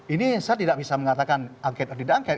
ini saya tidak bisa mengatakan angkat atau tidak angkat